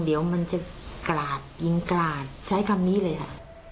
เดี๋ยวมันจะกราดยิงกราดใช้คำนี้เลยค่ะ